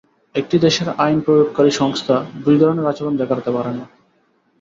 একটি দেশের আইন প্রয়োগকারী সংস্থা দুই ধরনের আচরণ দেখাতে পারে না।